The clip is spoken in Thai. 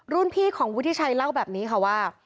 พี่ของวุฒิชัยเล่าแบบนี้ค่ะว่า